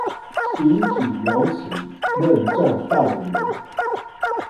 行己有恥，任重道遠